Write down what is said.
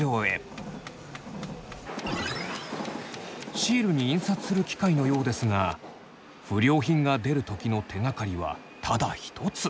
シールに印刷する機械のようですが不良品が出る時の手がかりはただ一つ。